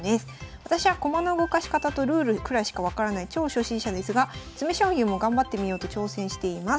「私は駒の動かし方とルールくらいしか分からない超初心者ですが詰将棋も頑張ってみようと挑戦しています。